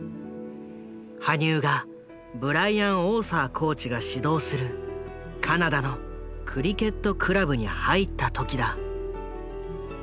羽生がブライアン・オーサーコーチが指導するカナダのクリケットクラブに入った時だ。